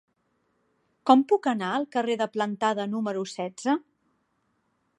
Com puc anar al carrer de Plantada número setze?